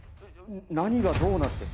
何がどうなって。